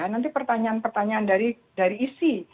nanti pertanyaan pertanyaan dari isi